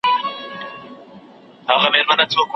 د عکسونو اخیستل او د غزل راتلل وه: